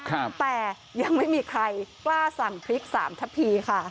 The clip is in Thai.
แต่ยังไม่มีใครกล้าสั่งพริกสามทะพีค่ะ